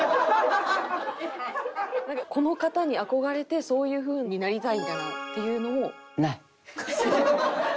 この方に憧れてそういうふうになりたいみたいなっていうのも？